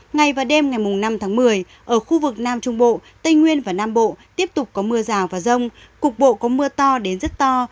ngày và đêm ngày năm tháng một mươi ở khu vực nam trung bộ tây nguyên và nam bộ tiếp tục có mưa rào và rông cục bộ có mưa to đến rất to